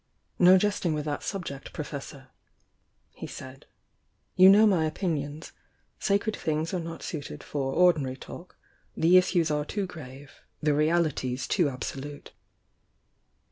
"No jesting with that subject. Professor!" he said. "You know my opinions. Sacred things are not suit ed for ordinary talk, — the issues are too grave, — the realities too absolute."